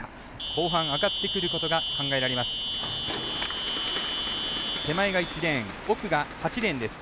後半、上がってくることが考えられます。